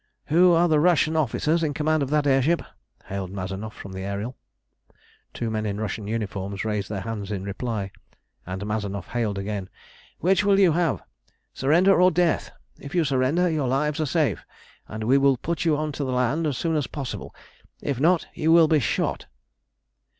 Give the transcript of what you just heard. "Who are the Russian officers in command of that air ship?" hailed Mazanoff from the Ariel. Two men in Russian uniform raised their hands in reply, and Mazanoff hailed again "Which will you have surrender or death? If you surrender your lives are safe, and we will put you on to the land as soon as possible; if not you will be shot."